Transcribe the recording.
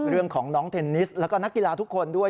เรื่องของน้องเทนนิสแล้วก็นักกีฬาทุกคนด้วย